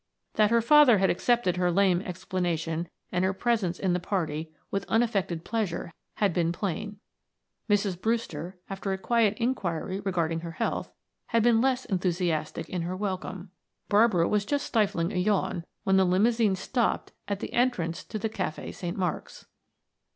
That her father had accepted her lame explanation and her presence in the party with unaffected pleasure had been plain. Mrs. Brewster, after a quiet inquiry regarding her health, had been less enthusiastic in her welcome. Barbara was just stifling a yawn when the limousine stopped at the entrance to the Cafe St. Marks.